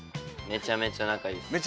めちゃめちゃ仲いいんですね。